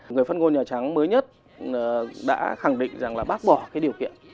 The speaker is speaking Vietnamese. người phát ngôn nhà trắng mới nhất đã khẳng định rằng là bác bỏ cái điều kiện